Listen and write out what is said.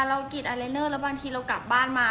เรากินอะไรเนอร์แล้วบางทีเรากลับบ้านมา